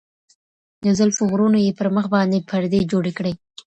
د زلفو غرونو يې پر مخ باندي پردې جوړي کړې,